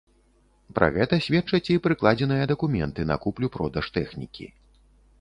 Пра гэта сведчаць і прыкладзеныя дакументы на куплю-продаж тэхнікі.